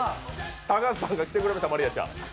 高橋さんが来てくれました、真莉愛ちゃん。